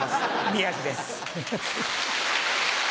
宮治です。